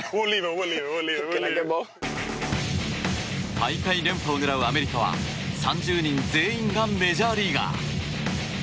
大会連覇を狙うアメリカは３０人全員がメジャーリーガー。